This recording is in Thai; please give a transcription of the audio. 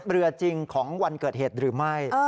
จริงของวันเกิดเหตุหรือไม่